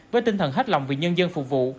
với tinh thần hết lòng vì nhân dân phục vụ